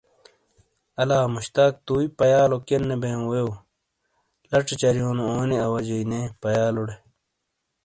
الا مشتاق توئی پیالو کینے بییوں ویو ؟ لچھے چریونو اونی اواجئی نے پیالوڑے.